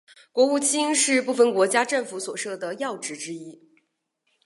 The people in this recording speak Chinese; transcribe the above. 国务卿是部份国家政府所设的要职之一。